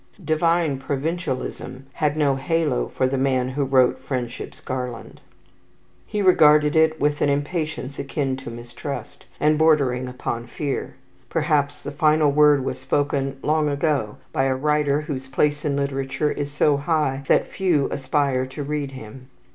"Divine provincialism" had no halo for the man who wrote "Friendship's Garland." He regarded it with an impatience akin to mistrust, and bordering upon fear. Perhaps the final word was spoken long ago by a writer whose place in literature is so high that few aspire to read him.